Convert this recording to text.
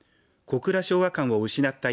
小倉昭和館を失った